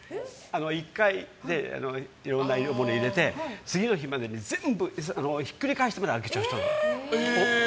１回いろんな物入れて次の日までに全部、ひっくり返して開けちゃう人なの。